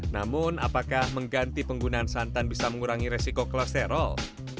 namun apakah mengganti penggunaan santan bisa mengurangi resiko closterol